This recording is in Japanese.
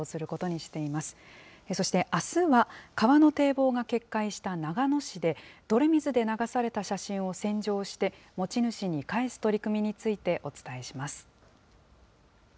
そして、あすは川の堤防が決壊した長野市で、泥水で流された写真を洗浄して、持ち主に返す取り組みについてお伝えします。